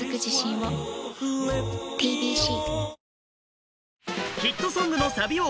はい。